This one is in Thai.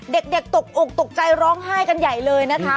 เด็กตกอกตกใจร้องไห้กันใหญ่เลยนะคะ